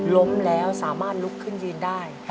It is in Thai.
ล้มแล้วสามารถลุกขึ้นยืนได้